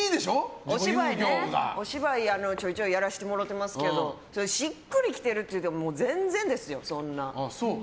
お芝居、ちょいちょいやらせてもらってますけどしっくりきてるっていうても全然ですよ。